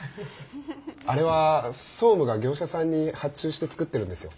あれは総務が業者さんに発注して作ってるんですよ。